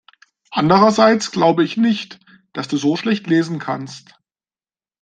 Andererseits glaube ich nicht, dass du so schlecht lesen kannst.